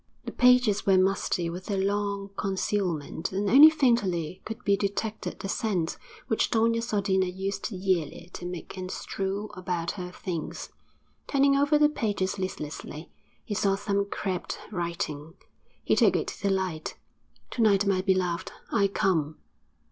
The pages were musty with their long concealment, and only faintly could be detected the scent which Doña Sodina used yearly to make and strew about her things. Turning over the pages listlessly, he saw some crabbed writing; he took it to the light '_To night, my beloved, I come.